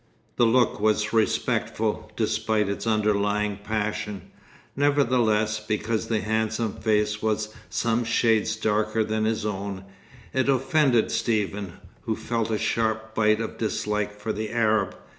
The look was respectful, despite its underlying passion. Nevertheless, because the handsome face was some shades darker than his own, it offended Stephen, who felt a sharp bite of dislike for the Arab.